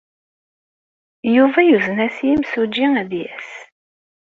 Yuba yuzen-as i yimsujji ad d-yas.